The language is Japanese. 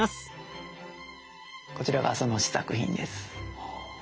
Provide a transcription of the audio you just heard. こちらがその試作品です。